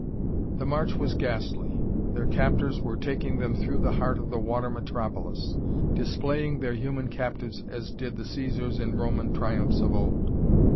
The march was ghastly. Their captors were taking them through the heart of the water metropolis; displaying their human captives as did the Caesars in Roman triumphs of old!